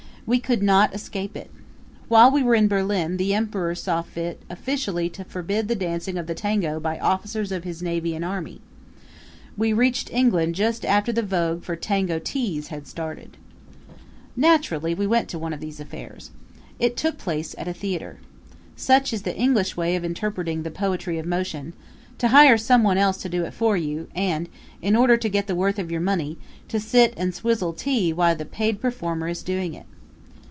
We could not escape it. While we were in Berlin the emperor saw fit officially to forbid the dancing of the tango by officers of his navy and army. We reached England just after the vogue for tango teas started. Naturally we went to one of these affairs. It took place at a theater. Such is the English way of interpreting the poetry of motion to hire some one else to do it for you, and in order to get the worth of your money sit and swizzle tea while the paid performer is doing it.